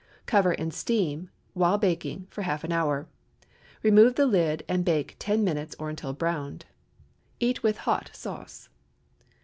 Cover and steam, while baking, for half an hour. Remove the lid and bake ten minutes, or until browned. Eat with hot sauce.